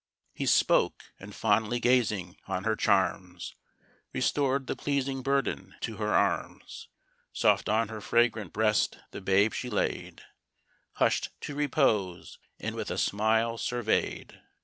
He spoke, and fondly gazing on her charms, Restor'd the pleasing burden to her arms: Soft on her fragrant breast the babe she laid, Hush'd to repose, and with a smile survey'd.